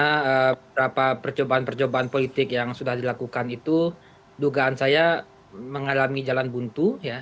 karena beberapa percobaan percobaan politik yang sudah dilakukan itu dugaan saya mengalami jalan buntu ya